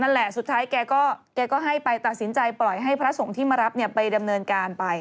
นั่นแหละสุดท้ายแกก็ให้ไปตัดสินใจปล่อยให้พระสงฆ์ที่มารับไปดำเนินการไป